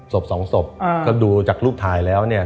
ศพสองศพก็ดูจากรูปถ่ายแล้วเนี่ย